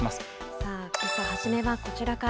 さあ、けさ初めはこちらから。